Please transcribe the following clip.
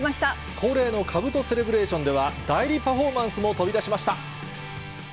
恒例のかぶとセレブレーションでは、代理パフォーマンスも飛び出しました。